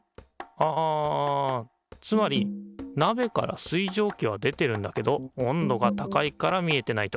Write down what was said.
あつまりなべから水蒸気は出てるんだけど温度が高いから見えてないと。